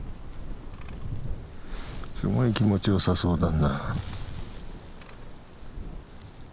すごい気持ちよさそうだな。